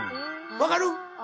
分かる？